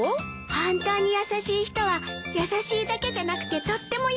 本当に優しい人は優しいだけじゃなくてとっても勇気があるのよね。